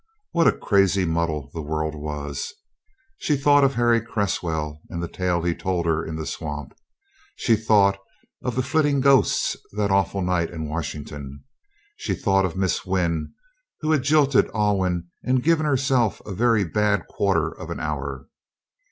What a crazy muddle the world was! She thought of Harry Cresswell and the tale he told her in the swamp. She thought of the flitting ghosts that awful night in Washington. She thought of Miss Wynn who had jilted Alwyn and given her herself a very bad quarter of an hour.